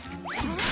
うん？